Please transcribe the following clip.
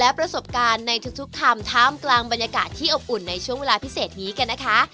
และประสบการณ์ในทุกธรรมท่ามกลางบรรยากาศที่อบอุ่นในช่วงเวลาพิเศษนี้กันนะคะ